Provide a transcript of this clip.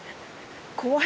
怖い。